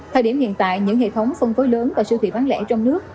thời điểm hiện tại những hệ thống phân phối lớn và siêu thị bán lẻ trong nước